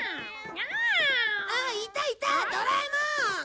あっいたいたドラえもん！